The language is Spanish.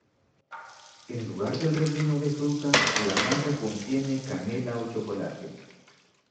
En lugar del relleno de fruta la masa contiene canela o chocolate.